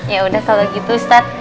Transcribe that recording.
ya udah kalau gitu stad